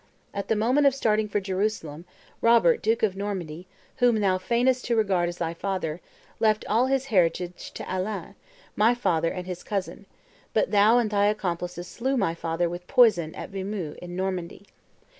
At the moment of starting for Jerusalem, Robert, duke of Normandy, whom thou feignest to regard as thy father, left all his heritage to Alain, my father and his cousin: but thou and thy accomplices slew my father with poison at Vimeux, in Normandy.